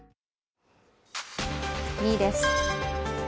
２位です。